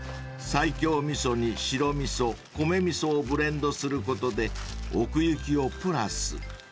［西京味噌に白味噌米味噌をブレンドすることで奥行きをプラス］